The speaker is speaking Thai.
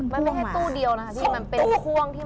มันไม่ให้ตู้เดียวนะที่มันเป็นค่วง